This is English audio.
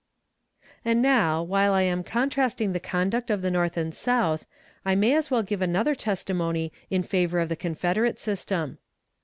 And now, while I am contrasting the conduct of the North and South, I may as well give another testimony in favor of the confederate system.